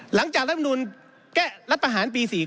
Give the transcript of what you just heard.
หลังจากรัฐมนุนแก้รัฐประหารปี๔๙